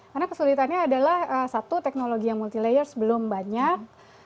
karena kesulitannya adalah satu teknologi yang multi layer belum banyak